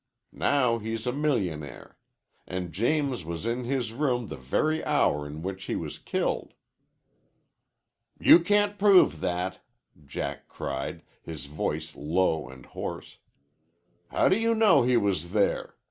Now he's a millionaire. And James was in his room the very hour in which he was killed." "You can't prove that!" Jack cried, his voice low and hoarse. "How do you know he was there?